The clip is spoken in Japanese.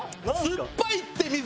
酸っぱいって水！